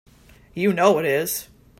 You know it is!